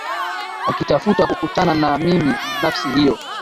akitafuta kukutana na mimi na nafasi hiyo